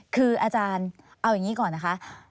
คืออาจารย์เอาอย่างนี้ก่อนนะคะ